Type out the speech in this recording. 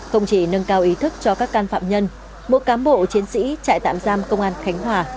không chỉ nâng cao ý thức cho các can phạm nhân mỗi cám bộ chiến sĩ trại tạm giam công an khánh hòa